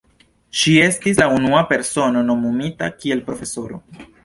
Ŝi estis la unua persono nomumita kiel profesoro.